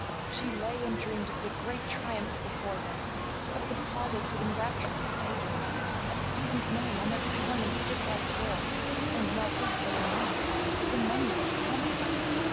She lay and dreamed of the great triumph before them; of the plaudits of enraptured spectators; of Stephen's name on every tongue in the civilized world; and, not least by any means, of the money that would come to them.